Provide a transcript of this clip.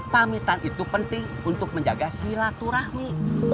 pamitan itu penting untuk menjaga silaturahmi